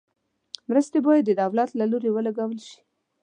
مرستې باید د دولت له لوري ولګول شي.